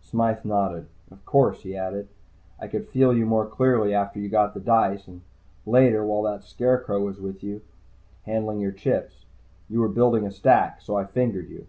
Smythe nodded. "Of course," he added. "I could feel you more clearly after you got the dice, and later, while that scarecrow with you was handling your chips. You were building a stack. So I fingered you."